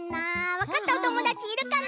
わかったおともだちいるかな？